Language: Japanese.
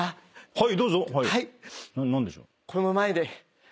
はい。